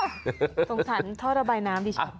สงสารท่อระบายน้ำดิฉัน